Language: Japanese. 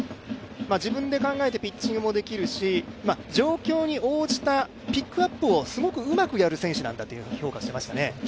自分で考えてピッチングもできるし、状況に応じたピックアップをすごくうまくやる選手だと評価しましたね。